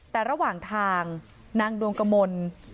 แต่ระหว่างทางนางดวงกมล